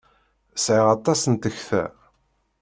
Sɛiɣ aṭas n tekta.